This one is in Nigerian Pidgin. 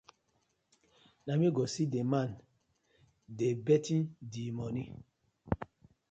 Na mi go see the man dey to bting dii moni.